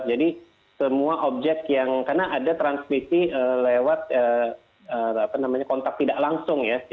jadi semua objek yang karena ada transmisi lewat kontak tidak langsung ya